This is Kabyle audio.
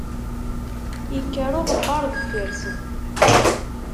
Ikker uɣebbaṛ deffir-sen.